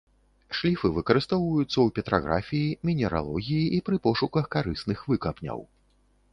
Шліфы выкарыстоўваюцца ў петраграфіі, мінералогіі і пры пошуках карысных выкапняў.